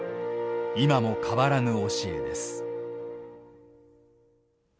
今も変わらぬ教えです。